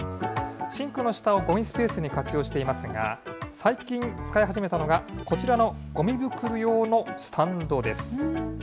シンクの下をごみスペースに活用していますが、最近、使い始めたのが、こちらのごみ袋用のスタンドです。